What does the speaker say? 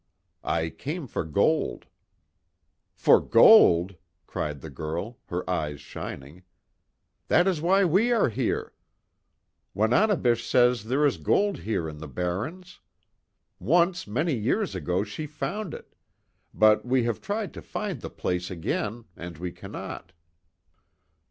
"I came for gold." "For gold!" cried the girl, her eyes shining, "That is why we are here! Wananebish says there is gold here in the barrens. Once many years ago she found it but we have tried to find the place again, and we cannot."